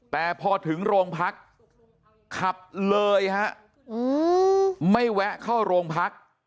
แต่พอถึงโรงพักขับเลยฮะไม่แวะเข้าโรงพัก